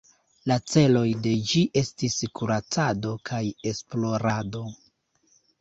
La celoj de ĝi estis kuracado kaj esplorado.